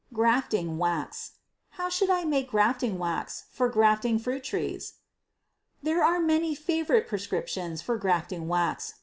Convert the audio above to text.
Grafting Wax. How shall I make grafting wax for grafting fruit trees? There are many "favorite prescriptions" for grafting wax.